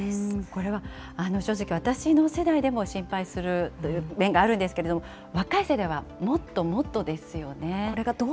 これは正直、私の世代でも心配するという面があるんですけれども、若い世代はもっともっとですよね。